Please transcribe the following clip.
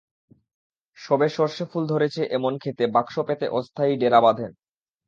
সবে সরষে ফুল ধরেছে এমন খেতে বাক্স পেতে অস্থায়ী ডেরা বাঁধেন।